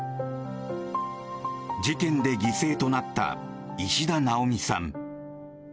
事件で犠牲となった石田奈央美さん。